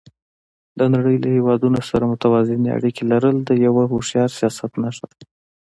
د نړۍ له هېوادونو سره متوازنې اړیکې لرل د یو هوښیار سیاست نښه ده.